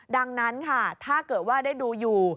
ดังนั้นค่ะถ้าเกิดว่าได้ดูอยู่